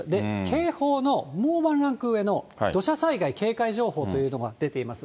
警報のもうワンランク上の土砂災害警戒情報というのが出ています。